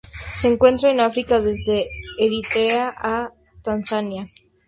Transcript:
Se encuentra en África desde Eritrea a Tanzania.